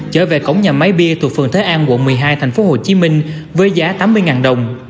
trở về cổng nhà máy bia thuộc phường thế an quận một mươi hai tp hcm với giá tám mươi đồng